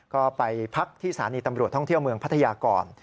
ก็ไปพักที่สถานีตำรวจท่องเที่ยวเมืองพัทยาก่อน